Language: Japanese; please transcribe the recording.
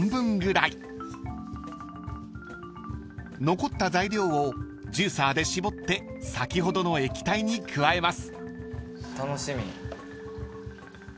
［残った材料をジューサーで搾って先ほどの液体に加えます］楽しみ。